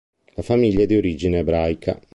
La famiglia è di origine ebraica.